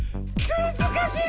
むずかしい。